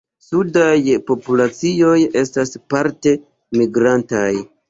Sudaj populacioj estas parte migrantaj.